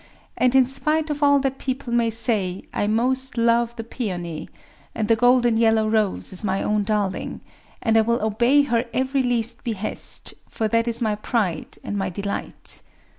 And, in spite of all that people may say, I most love the peony,—and the golden yellow rose is my own darling, and I will obey her every least behest; for that is my pride and my delight.